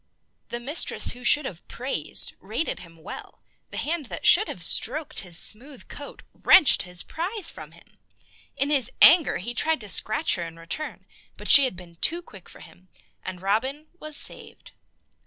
The mistress who should have praised rated him well, the hand that should have stroked his smooth coat wrenched his prize from him. In his anger he tried to scratch her in return, but she had been too quick for him, and Robin was saved.